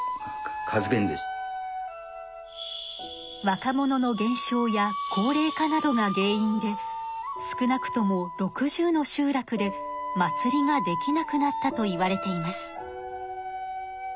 若者の減少や高齢化などが原因で少なくとも６０の集落で祭りができなくなったといわれています。